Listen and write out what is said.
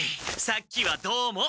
さっきはどうも。